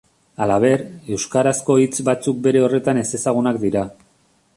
Halaber, euskarazko hitz batzuk bere horretan ezezagunak dira.